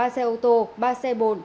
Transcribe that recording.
ba xe ô tô ba xe bồn